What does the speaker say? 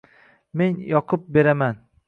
men yoqib beraman...